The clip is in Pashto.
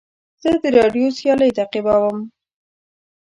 زه د راډیو سیالۍ تعقیبوم.